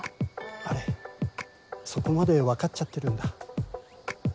あれそこまで分かっちゃってるんだ。